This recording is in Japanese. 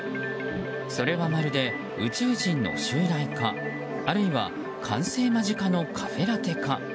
それはまるで、宇宙人の襲来かあるいは完成間近のカフェラテか。